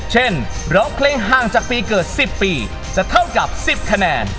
ร้องเพลงห่างจากปีเกิด๑๐ปีจะเท่ากับ๑๐คะแนน